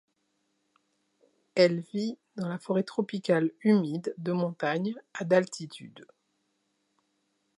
Elle vit dans la forêt tropicale humide de montagne à d'altitude.